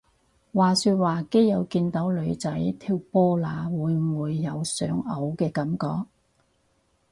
話說話基友見到女仔條波罅會唔會有想嘔嘅感覺？